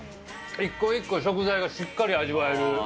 一個一個食材がしっかり味わえる。